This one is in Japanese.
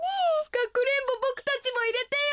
かくれんぼボクたちもいれてよ。